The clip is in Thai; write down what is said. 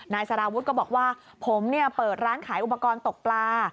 สารวุฒิก็บอกว่าผมเปิดร้านขายอุปกรณ์ตกปลา